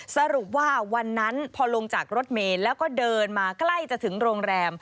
สรุปว่าวันนั้นพอลงจากรถเมย์แล้วก็เดินมาใกล้จะถึงโรงแรม